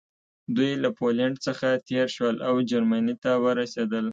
دوی له پولنډ څخه تېر شول او جرمني ته ورسېدل